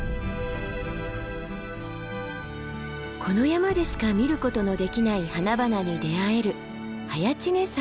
この山でしか見ることのできない花々に出会える早池峰山です。